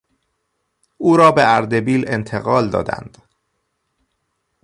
او را به اردبیل انتقال دادند.